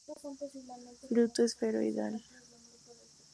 Fruto esferoidal.